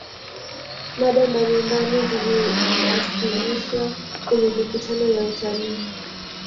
mada mbalimbali ziliwasilishwa kwenye mikutano ya utalii